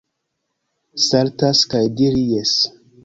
Saltas kaj diri jes.